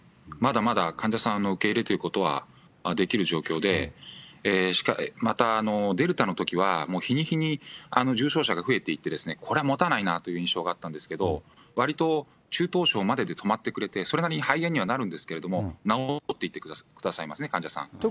まだまだ患者さんの受け入れるということはできる状況で、またデルタのときは、もう日に日に重症者が増えていって、これはもたないなという印象があったんですけれども、わりと中等症までで止まってくれて、それなりに肺炎にはなるんですけれども、治っていってくださいますね、患者さん。